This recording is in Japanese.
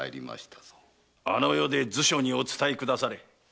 あの世で図書にお伝えくだされ。